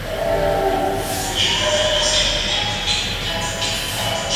El objetivo principal era una expansión al sur y suroeste.